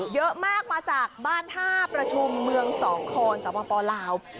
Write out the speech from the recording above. มาจากบ้านท่าประชุมเมืองสองคอนสปลาว